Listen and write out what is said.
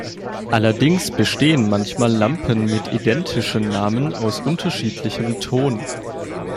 Allerdings bestehen manchmal Lampen mit identischen Namen aus unterschiedlichem Ton.